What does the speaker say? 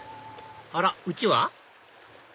あらうちわ？